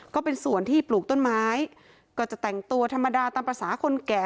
ก็เป็นส่วนที่ปลูกต้นไม้ก็จะแต่งตัวธรรมดาตามภาษาคนแก่